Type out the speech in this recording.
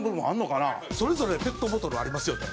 それぞれペットボトルありますよね。